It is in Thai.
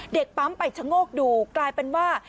เด็กปั๊มไปชะโงกดูกลายเป็นว่า